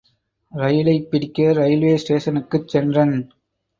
ரயிலைப் பிடிக்க ரயில்வே ஸ்டேஷனுக்குச் சென்றன்.